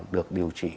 được điều trị